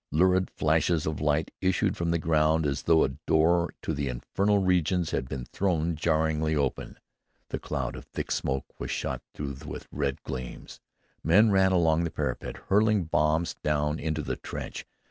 Lurid flashes of light issued from the ground as though a door to the infernal regions had been thrown jarringly open. The cloud of thick smoke was shot through with red gleams. Men ran along the parapet hurling bombs down into the trench.